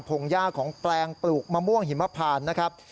งย่าของแปลงปลูกมะม่วงหิมพานนะครับ